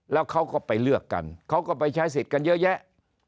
แล้วเขาก็ไปเลือกกันเขาก็ไปใช้สิทธิ์กันเยอะแยะ